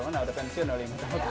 mana ada pensiun doling